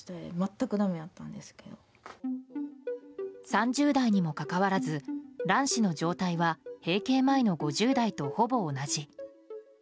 ３０代にもかかわらず卵子の状態は閉経前の５０代とほぼ同じ。